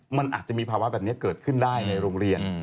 มันอาจจะมีภาวะแบบนี้เกิดขึ้นได้ในโรงเรียน